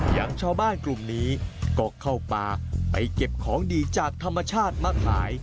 อย่างชาวบ้านกลุ่มนี้ก็เข้าป่าไปเก็บของดีจากธรรมชาติมาขาย